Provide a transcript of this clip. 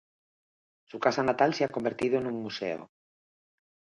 Su casa natal se ha convertido en un museo.